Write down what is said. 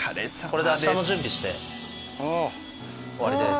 これで明日の準備して終わりです。